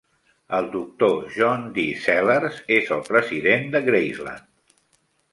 El doctor John D. Sellars és el president de Graceland.